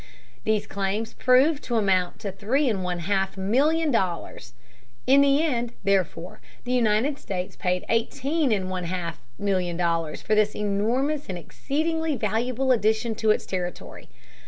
These claims proved to amount to three and one half million dollars, In the end, therefore, the United States paid eighteen and one half million dollars for this enormous and exceedingly valuable addition to its territory.